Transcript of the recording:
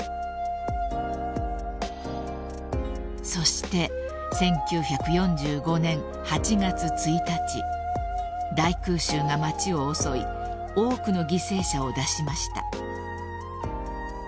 ［そして１９４５年８月１日大空襲が街を襲い多くの犠牲者を出しました］